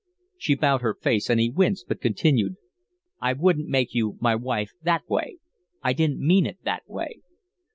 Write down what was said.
She bowed her face, and he winced, but continued: "I wouldn't make you my wife that way. I didn't mean it that way."